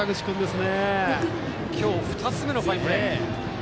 今日２つ目ファインプレー。